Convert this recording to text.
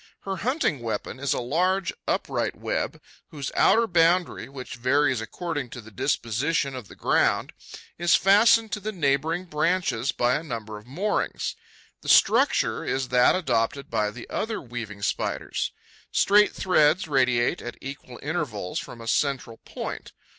Her hunting weapon is a large upright web, whose outer boundary, which varies according to the disposition of the ground, is fastened to the neighbouring branches by a number of moorings. The structure is that adopted by the other weaving Spiders. Straight threads radiate at equal intervals from a central point.